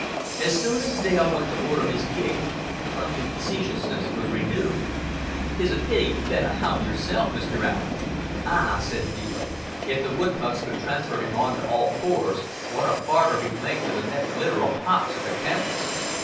As soon as Dale went to order his gig the clumsy facetiousness was renewed. "'Tes a pity you ben't a hound yersel, Mr. Allen." "Ah," said Veale, "if the wood pucks cud transform him on to all fours, what a farder he'd mek to th' next litter o' pops at the Kennels."